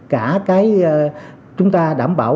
cả cái chúng ta đảm bảo